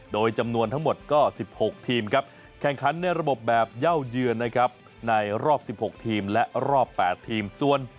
โดยจำนวนทั้งหมดก็๑๖ทีมครับแข่งขันในระบบแบบเย่าเยือนนะครับในรอบ๑๖ทีมและรอบ๘ทีมส่วน